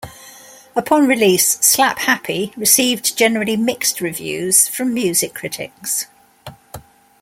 Upon release, "Slap-Happy" received generally mixed reviews from music critics.